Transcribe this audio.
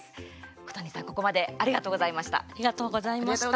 小谷さんありがとうございました。